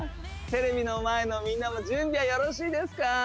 テレビの前のみんなも準備はよろしいですか？